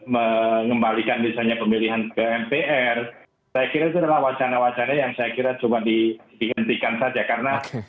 mengembalikan misalnya pemilihan ke mpr saya kira itu adalah wacana wacana yang saya kira coba dihentikan saja karena